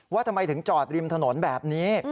ว่าทำไมถึงจอดริมถนนแบบนี้